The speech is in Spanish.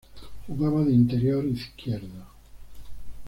Jugaba de interior izquierdo.